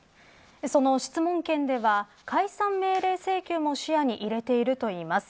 その質問権では解散命令請求も視野に入れているといいます。